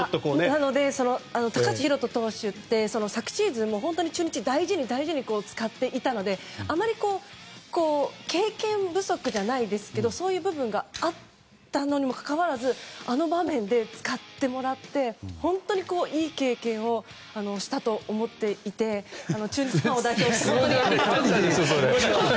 なので、高橋宏斗投手って昨シーズンも中日で大事に大事に使っていたのであまり経験不足じゃないですけどそういう部分があったのにもかかわらずあの場面で使ってもらいいい経験をしたと思っていて中日ファンを代表して本当に。